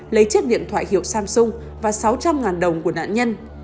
lấy chiếc điện thoại hiệu samsung và sáu trăm linh đồng của nạn nhân